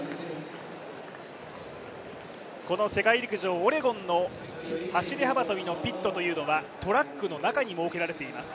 この世界陸上オレゴンの走幅跳のピットというのはトラックの中に設けられています。